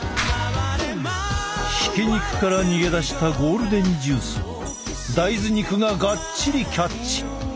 ひき肉から逃げ出したゴールデンジュースを大豆肉がガッチリキャッチ！